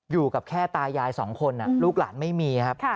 อยู่กับแค่ตายายสองคนลูกหลานไม่มีครับ